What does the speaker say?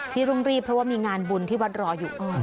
รุ่งรีบเพราะว่ามีงานบุญที่วัดรออยู่